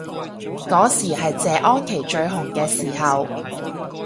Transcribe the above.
嗰時係謝安琪最紅嘅時候